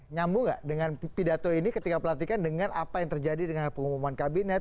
nyambung gak dengan pidato ini ketika pelantikan dengan apa yang terjadi dengan pengumuman kabinet